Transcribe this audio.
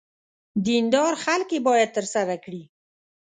دیندار خلک یې باید ترسره کړي.